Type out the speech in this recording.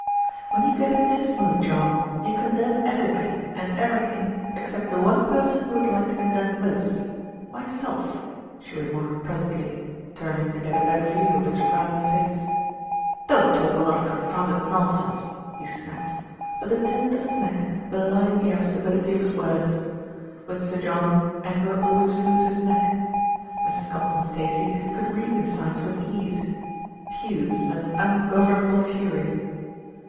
"When you get in this mood, John, you condemn everybody and everything except the one person you would like to condemn most, myself," she remarked presently, turning to get a better view of his frowning face. "Don't talk a lot of confounded nonsense!" he snapped; but the tint of his neck belied the irascibility of his words. With Sir John anger always flew to his neck. Mrs. Compton Stacey could read the signs with ease puce meant ungovernable fury.